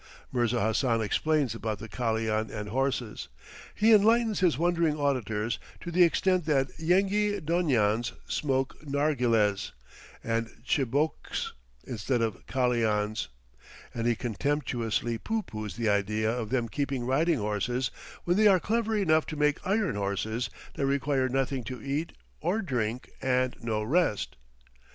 Mirza Hassan explains about the kalian and horses; he enlightens his wondering auditors to the extent that Yenghi Donians smoke nargilehs and chibouques instead of kalians, and he contemptuously pooh poohs the idea of them keeping riding horses when they are clever enough to make iron horses that require nothing to eat or drink and no rest.